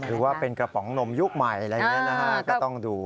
หรือว่าเป็นกระป๋องนมยุคใหม่อะไรอย่างนี้นะฮะก็ต้องดู